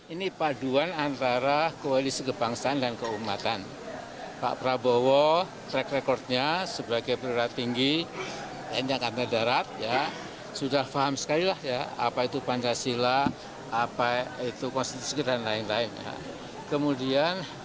ini paduan antara koalisi kebangsaan dan keumatan